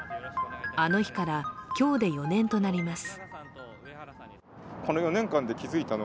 あの日から今日で４年となりました。